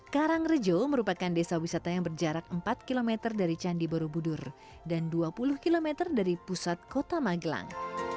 karangrejo merupakan desa wisata yang berjarak empat km dari candi borobudur dan dua puluh km dari pusat kota magelang